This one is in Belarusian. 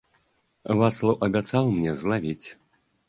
Вацлаў абяцаў мне злавіць.